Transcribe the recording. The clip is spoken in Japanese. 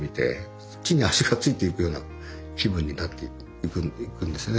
地に足がついていくような気分になっていくんですね。